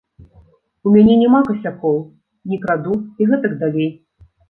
У мяне няма касякоў, не краду і гэтак далей.